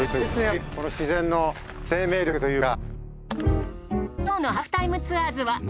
やっぱりこの自然の生命力というか。